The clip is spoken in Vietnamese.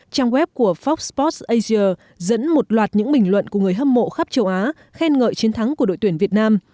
trang web của fox post asia dẫn một loạt những bình luận của người hâm mộ khắp châu á khen ngợi chiến thắng của đội tuyển việt nam